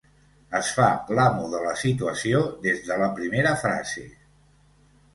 Es fa l'amo de la situació des de la primera frase.